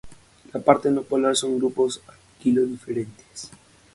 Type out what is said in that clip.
La parte no polar son grupos alquilo diferentes.